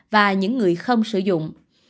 và những người không sử dụng